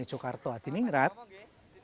di mata mata jogarta